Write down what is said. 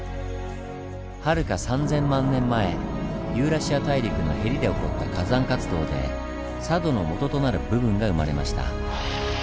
はるか３０００万年前ユーラシア大陸のへりで起こった火山活動で佐渡のもととなる部分が生まれました。